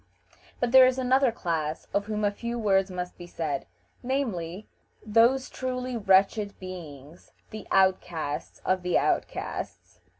But there is another class of whom a few words must be said, namely, those truly wretched beings, the outcasts of the outcasts.